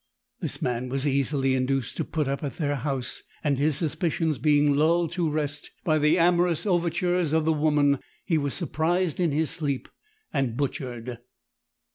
"This man was easily induced to put up at their house, and his suspicions being lulled to rest by the amorous overtures of the woman, he was surprised in his sleep and butchered.